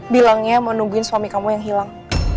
bilangnya menungguin suami kamu yang hilang